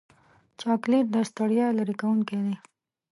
چاکلېټ د ستړیا لرې کوونکی دی.